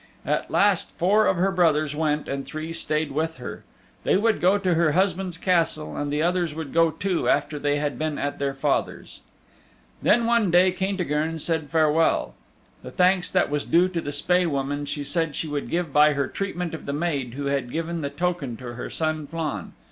At last four of her brothers went and three stayed with her. They would go to her husband's Castle and the others would go too after they had been at their father's. Then one day Caintigern said farewell. The thanks that was due to the Spae Woman, she said she would give by her treatment of the maid who had given the token to her son Flann.